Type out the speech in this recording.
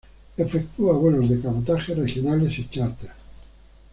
Efectúa vuelos de cabotaje, regionales y charter.